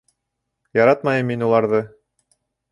Яратмайым мин уларҙы.